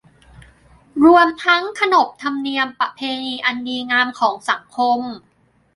รวมทั้งขนบธรรมเนียมประเพณีอันดีงามของสังคม